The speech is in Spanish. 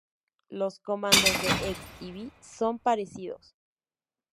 Los comandos de ex y vi son parecidos.